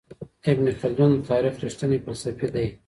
ابن خلدون د تاريخ رښتينی فلسفي دی.